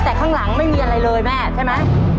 แต่ข้างหลังไม่มีอะไรเลยแม่ใช่ไหม